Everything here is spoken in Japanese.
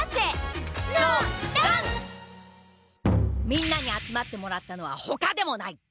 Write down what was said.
みんなに集まってもらったのはほかでもない。